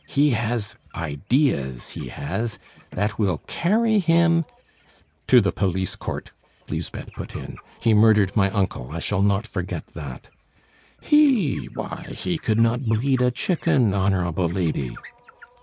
He has ideas, he has, that will carry him " "To the police court," Lisbeth put in. "He murdered my uncle; I shall not forget that." "He why, he could not bleed a chicken, honorable lady."